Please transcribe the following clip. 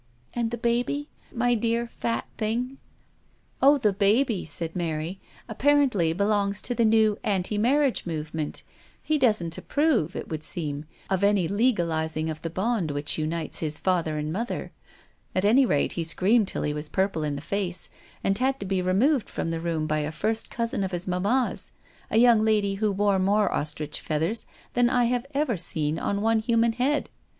" And the baby — my dear fat thing ?"" Oh, the baby," said Mary, " apparently belongs to the Jjr anti mJii* nflmenl He doesn't approve, it would seem, of any 258 THE STORY OF A MODERN WOMAN. legalising of the bond which unites his father and mother. At any rate, he screamed till he was purple in the face, and had to be removed from the room by a first cousin of his mamma's, a young lady who wore more ostrich feathers than I have ever seen on one human head.